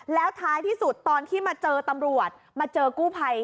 แล้วท้ายที่สุดตอนที่มาเจอตำรวจมาเจอกู้ภัย